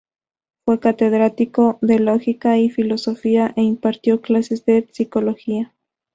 Fue catedrático de Lógica y Filosofía e impartió clases de Psicología.